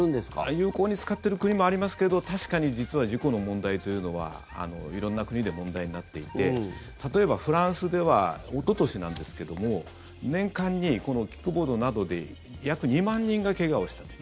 有効に使ってる国もありますけど確かに実は事故の問題というのは色んな国で問題になっていて例えば、フランスではおととしなんですけども年間にキックボードなどで約２万人が怪我をしたと。